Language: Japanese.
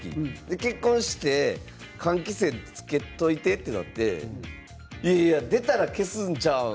結婚して換気扇をつけておけとなっていやいや出たら消すんちゃうん？